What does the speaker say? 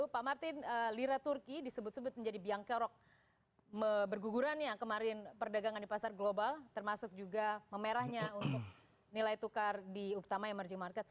pemerahnya untuk nilai tukar di utama emerging markets